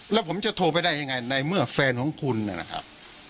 แล้วผมจะโทรไปได้ยังไงในเมื่อแฟนของคุณเนี่ยนะครับ